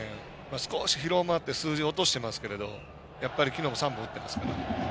少し疲労もあって数字も落としてますけどやはり昨日も３本打ってますから。